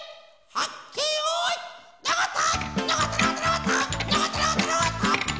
はっけよいのこった！